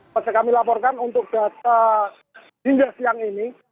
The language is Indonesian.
masih kami laporkan untuk data hingga siang ini